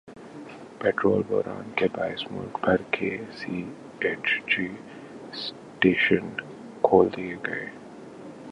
petrol بحران کے باعث ملک بھر کے سی این جی اسٹیشن کھول دیئے گئے